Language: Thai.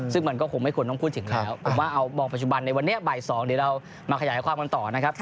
ซึ่งมันไม่น่ายิงกันได้